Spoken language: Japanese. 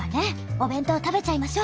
お弁当食べちゃいましょ。